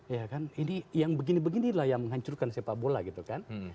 ya kan ini yang begini beginilah yang menghancurkan sepak bola gitu kan